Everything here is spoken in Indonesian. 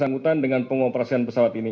dan kejadian seumpama tidak terjadi